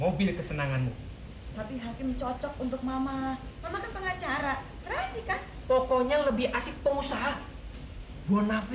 oh tentu boleh pak